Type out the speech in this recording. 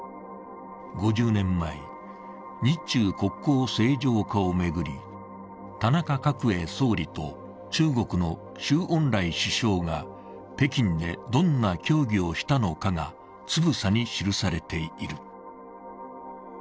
５０年前、日中国交正常化を巡り、田中角栄総理と中国の周恩来首相が北京でどんな協議をしたのかがつぶさに記されている。